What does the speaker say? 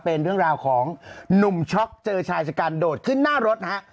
เป็นเรื่องราวของหนุ่มช็อกเจอชายชะกันโดดขึ้นหน้ารถฮะ